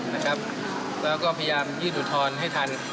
แล้วก็พยายามยื่นอุทธรณ์ให้ทัน